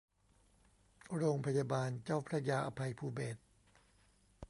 โรงพยาบาลเจ้าพระยาอภัยภูเบศร